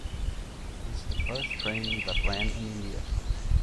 It is the first train that ran in India.